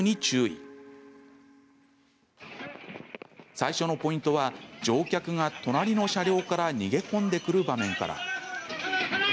最初のポイントは乗客が隣の車両から逃げ込んでくる場面から。